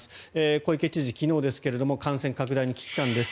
小池知事、昨日ですが感染拡大に危機感です。